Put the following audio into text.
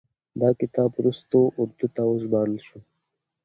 دا کتاب وروستو اردو ته وژباړل شو.